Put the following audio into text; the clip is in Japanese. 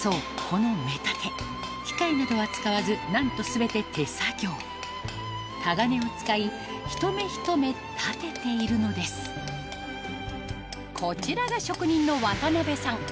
この目立て機械などは使わずなんと全て手作業タガネを使いひと目ひと目立てているのですこちらが職人の渡さん